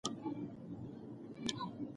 لیکوال هڅه کړې چې پېچلي ساینسي مفاهیم ساده کړي.